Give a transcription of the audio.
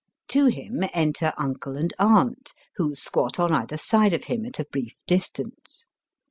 To him enter uncle and aunt, who squat on either side of him at a brief distance.